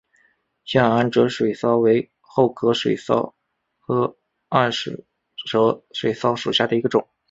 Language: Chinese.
希罕暗哲水蚤为厚壳水蚤科暗哲水蚤属下的一个种。